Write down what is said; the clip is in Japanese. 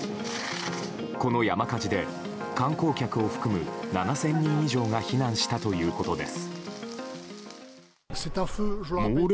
この火事で観光客を含む７０００人以上が避難したということです。